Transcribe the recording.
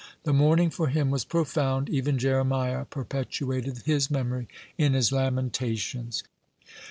(120) The mourning for him was profound. (121) Even Jeremiah perpetuated his memory in his Lamentations.